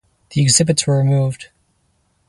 The exhibits were removed.